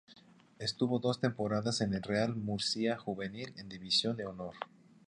Estuvo dos temporadas en el Real Murcia juvenil en División de Honor.